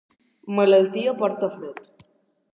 Malaltia porta fred.